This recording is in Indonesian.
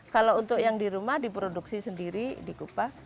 kalau untuk yang di rumah diproduksi sendiri dikupas